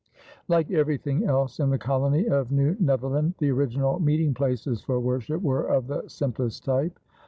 Like everything else in the colony of New Netherland, the original meeting places for worship were of the simplest type.